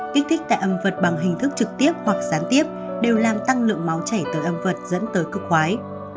kích thích tại âm vật bằng hình thức trực tiếp hoặc gián tiếp đều làm tăng lượng máu chảy từ âm vật dẫn tới cực khoái